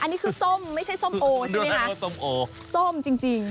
อันนี้คือส้มไม่ใช่ส้มโอ้ใช่ไหมฮะดูหน้าว่าส้มโอ้ส้มจริงจริง